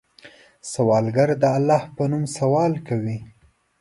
سوالګر د الله په نوم سوال کوي